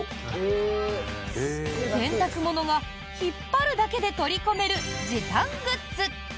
洗濯物が引っ張るだけで取り込める時短グッズ。